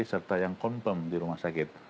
serta yang confirm di rumah sakit